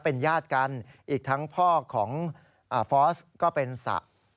ก็บอกว่าทุกอย่างเกิดจากเรื่องชูสาว